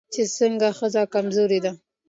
چې څرنګه ښځه کمزورې ده